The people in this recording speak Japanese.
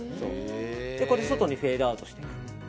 外にフェードアウトしていく。